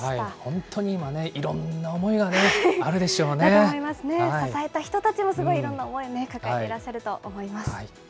本当に今ね、いろんな思いが支えた人たちもすごいいろんな思いね、抱えていらっしゃると思います。